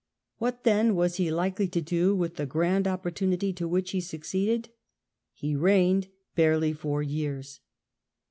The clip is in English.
What, then, was he likely to do with the grand opportunity to which he succeeded? He reigned barely four years.